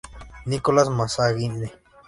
Nicholas Magazine".